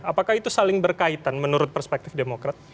apakah itu saling berkaitan menurut perspektif demokrat